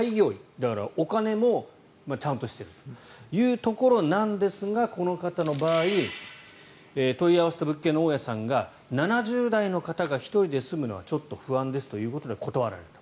だから、お金もちゃんとしてるというところなんですがこの方の場合問い合わせた物件の大家さんが７０代の方が１人で住むのはちょっと不安ですということで断られた。